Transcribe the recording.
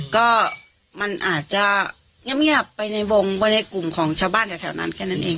ก็มันอาจจะเงียบไปในวงไปในกลุ่มของชาวบ้านแถวนั้นแค่นั้นเอง